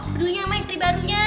pedulikin sama istri barunya